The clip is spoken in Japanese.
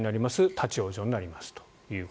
立ち往生になりますと。